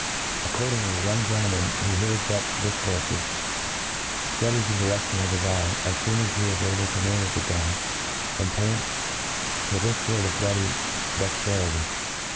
Accordingly,, a young gentleman, who hears fuch difcourfes, ftudi(is the direftion of his eye, as foon as he is able to manage a gun, and pants for this fort of bloody INTROD^CTI ON. 43 J^loody dexterity.